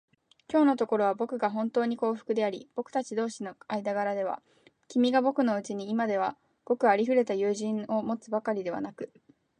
きょうのところは、ぼくがほんとうに幸福であり、ぼくたち同士の間柄では、君がぼくのうちに今ではごくありふれた友人を持つばかりでなく、